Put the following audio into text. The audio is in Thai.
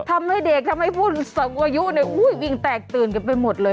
ทำให้เด็กทำให้ผู้สูงอายุวิ่งแตกตื่นกันไปหมดเลย